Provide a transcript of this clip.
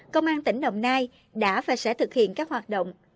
công an tỉnh đồng nai đã và sẽ thực hiện các hoạt động